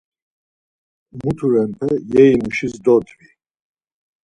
Muturenpe yeyimuşiz dodvi.